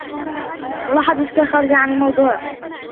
ملاحظتك خارجة عن الموضوع.